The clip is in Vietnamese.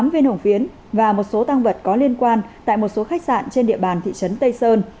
tám viên hồng phiến và một số tăng vật có liên quan tại một số khách sạn trên địa bàn thị trấn tây sơn